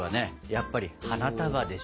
やっぱり花束でしょ。